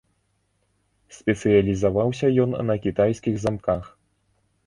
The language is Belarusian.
Спецыялізаваўся ён на кітайскіх замках.